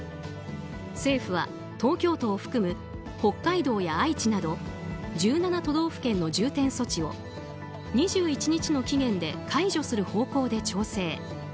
政府は東京都を含む北海道や愛知など１７都道府県の重点措置を２１日の期限で解除する方向で調整。